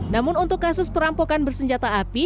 namun untuk kasus perampokan bersenjata api